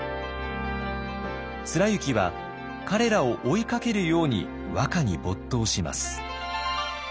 貫之は彼らを追いかけるように和歌に没頭します。